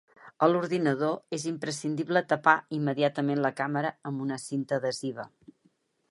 A l’ordinador, és imprescindible tapar immediatament la càmera amb una cinta adhesiva.